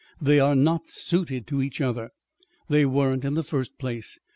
They are not suited to each other. They weren't in the first place.